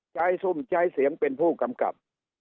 ซุ่มใช้เสียงเป็นผู้กำกับ